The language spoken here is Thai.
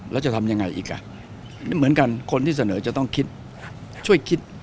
แล้วจะทำยังไงอีกอ่ะเหมือนกันคนที่เสนอจะต้องคิดช่วยคิด